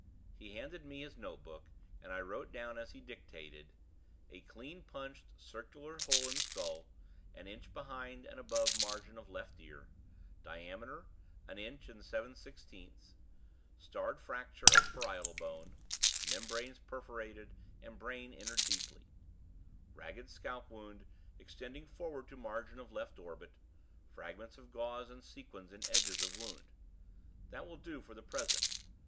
He handed me his notebook, and I wrote down as he dictated: "A clean punched circular hole in skull, an inch behind and above margin of left ear diameter, an inch and seven sixteenths; starred fracture of parietal bone; membranes perforated, and brain entered deeply; ragged scalp wound, extending forward to margin of left orbit; fragments of gauze and sequins in edges of wound. That will do for the present.